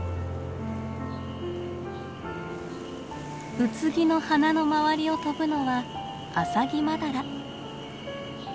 ウツギの花の周りを飛ぶのはアサギマダラ。